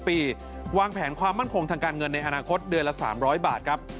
ปีวางแผนความมั่นคงทางการเงินในอนาคตเดือนละ๓๐๐บาทครับ